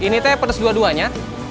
ini teh pedas dua duanya